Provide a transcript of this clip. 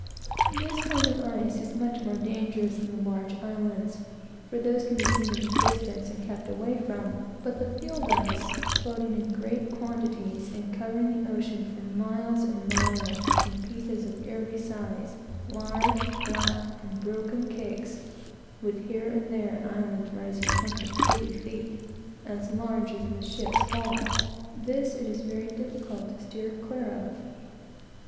This kind of ice is much more dangerous than the large islands, for those can be seen at a distance, and kept away from; but the field ice, floating in great quantities, and covering the ocean for miles and miles, in pieces of every size large, flat, and broken cakes, with here and there an island rising twenty and thirty feet, and as large as the ship's hull; this, it is very difficult to sheer clear of.